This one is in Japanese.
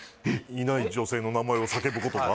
いない女性の名前を叫ぶことが？